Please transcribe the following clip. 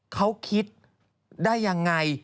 เขาคิดได้ยังไง